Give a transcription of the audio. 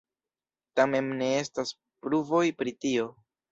Tamen ne estas pruvoj pri tio.